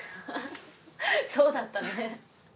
あははそうだったね。